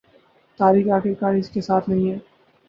تاریخ آخرکار اس کے ساتھ نہیں ہے